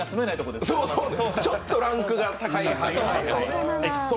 ちょっとランクが高いところ。